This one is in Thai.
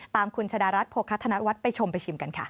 ตามคุณชะดารัฐโภคธนวัฒน์ไปชมไปชิมกันค่ะ